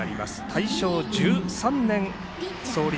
大正１３年創立。